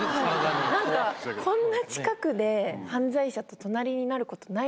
何かこんな近くで犯罪者と隣になることないので。